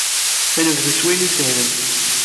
Ad nebdu s wayen isehlen.